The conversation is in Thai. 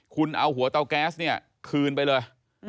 คุณเอาหัวเตาแก๊สคืนไปเลย